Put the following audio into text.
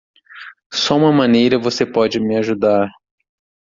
Só uma maneira você pode me ajudar.